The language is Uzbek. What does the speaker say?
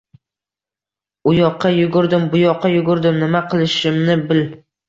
uyoqqa yugurdim, buyoqqa yugurdim. Nima qilishimni bil-